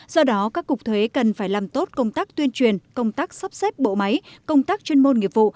do đó các cục thuế cần phải làm tốt công tác tuyên truyền công tác sắp xếp bộ máy công tác chuyên môn nghiệp vụ